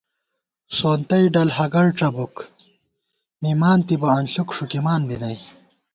سونتَئ ڈل ہگَڑڄَبُوک، مِمانتِبہ انݪُک ݭُکِمان بی نئ